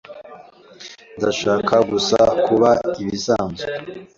Ndashaka gusa kuba ibisanzwe.